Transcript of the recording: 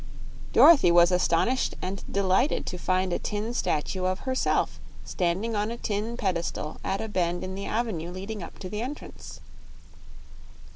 Dorothy was astonished and delighted to find a tin statue of herself standing on a tin pedestal at a bend in the avenue leading up to the entrance.